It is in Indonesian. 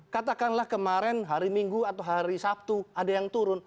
katakanlah kemarin hari minggu atau hari sabtu ada yang turun